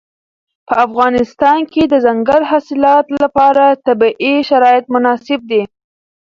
په افغانستان کې د دځنګل حاصلات لپاره طبیعي شرایط مناسب دي.